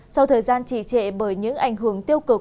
sau thời gian trì trệ bởi những ảnh hưởng tiêu cực